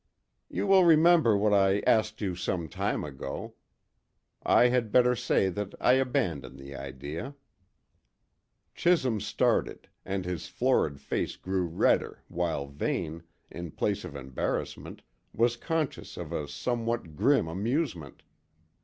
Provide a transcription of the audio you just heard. "You will remember what I asked you some time ago. I had better say that I abandon the idea." Chisholm started, and his florid face grew redder while Vane, in place of embarrassment, was conscious of a somewhat grim amusement.